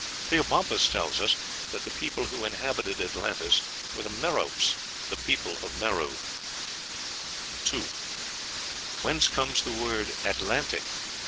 Theopompus tells us that the people who inhabited Atlantis were the Meropes, the people of Merou. 2. Whence comes the word Atlantic?